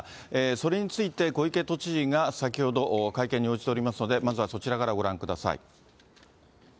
それについて、小池都知事が先ほど、会見に応じておりますので、まずはそちらからご覧ください。